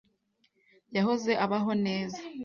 Yahoze abaho neza.